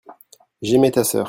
j'aimai ta sœur.